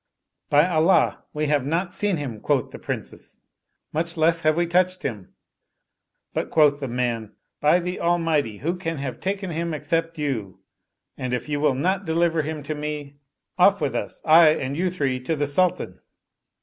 " By Allah we have not seen him," quoth the Princes, " much less have we touched him "; but quoth the man, " By the Almighty, who can have taken him except you ? and if you will not deliver him to me, off with us, I and you three, to the Sultan."